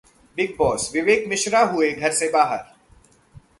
Bigg Boss: Vivek Mishra हुए घर से बाहर